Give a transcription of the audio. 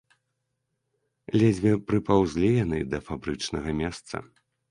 Ледзьве прыпаўзлі яны да фабрычнага месца.